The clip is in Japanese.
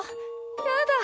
やだ。